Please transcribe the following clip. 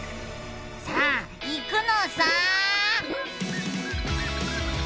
さあいくのさ！